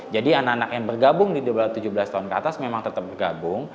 jadi anak anak yang bergabung di tujuh belas tahun ke atas memang tetap bergabung